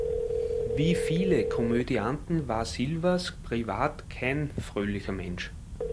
Wie viele Komödianten war Silvers privat kein fröhlicher Mensch.